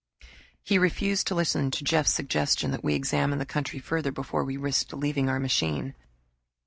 He refused to listen to Jeff's suggestion that we examine the country further before we risked leaving our machine.